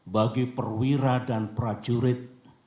bagi perwira dan prajurit